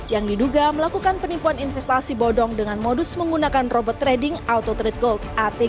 yang diduga melakukan penipuan investasi bodong dengan modus menggunakan robot trading autotrade gold